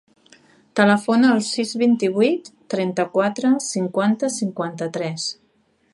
Telefona al sis, vint-i-vuit, trenta-quatre, cinquanta, cinquanta-tres.